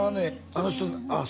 あの人ああ